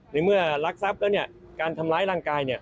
ในเมื่อรักทรัพย์แล้วเนี่ยการทำร้ายร่างกายเนี่ย